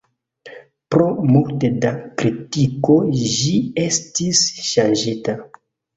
Pro multe da kritiko ĝi estis ŝanĝita.